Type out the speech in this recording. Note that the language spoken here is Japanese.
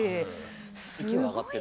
息は上がってる。